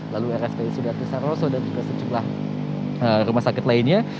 lalu rsdc sudatisaroso dan juga sejumlah rumah sakit lainnya